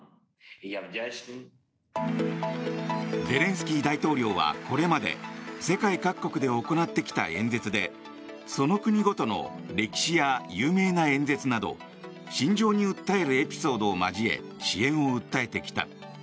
ゼレンスキー大統領はこれまで世界各国で行ってきた演説でその国ごとの歴史や有名な演説など心情に訴えるエピソードを交え支援を訴えてきた。